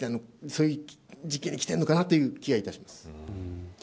そういう時期にきてるのかなという気がいたします。